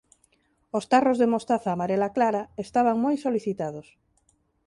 Os tarros de mostaza amarela clara estaban moi solicitados.